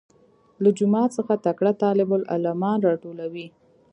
له جوماتو څخه تکړه طالب العلمان راټولوي.